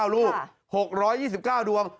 ๖๒๙รูป๖๒๙รูป๖๒๙ดวง